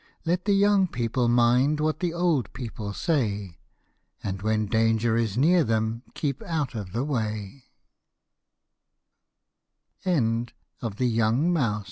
Let the young people mind what the old people say And when danger is near them keep out of the w^ D 2 52 FABLE XXXV.